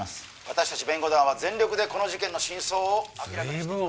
私達弁護団は全力でこの事件の真相を明らかにしていきます